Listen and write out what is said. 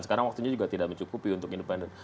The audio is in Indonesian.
sekarang waktunya juga tidak mencukupi untuk independen